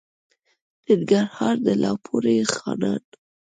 ننګرهار؛ د لالپورې خانان